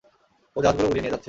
ও জাহাজগুলো উড়িয়ে নিয়ে যাচ্ছে?